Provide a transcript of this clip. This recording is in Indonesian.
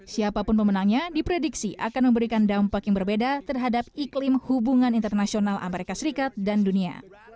siapapun pemenangnya diprediksi akan memberikan dampak yang berbeda terhadap iklim hubungan internasional amerika serikat dan dunia